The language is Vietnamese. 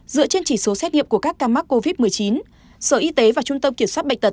dựa trên chỉ số xét nghiệm của các ca mắc covid một mươi chín sở y tế và trung tâm kiểm soát bệnh tật